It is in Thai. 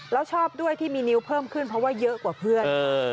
แล้วชอบด้วยที่มีนิ้วเพิ่มขึ้นเพราะว่าเยอะกว่าเพื่อน